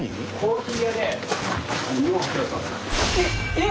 えっ！